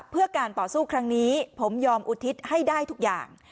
เพื่อการต่อสู้ครั้งนี้ผมยอมอุทิศให้ได้ทุกอย่าง